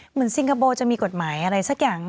เหมือนซิงคโบจะมีกฎหมายอะไรสักอย่าง